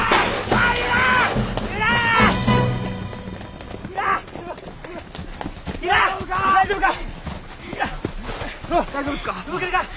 大丈夫か。